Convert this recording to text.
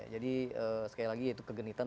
sekali lagi itu kegenitan